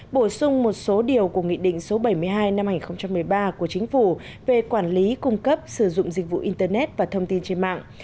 bổ sung một số điều của nghị định số bảy mươi hai năm hai nghìn một mươi ba của chính phủ về quản lý cung cấp sử dụng dịch vụ internet và thông tin trên mạng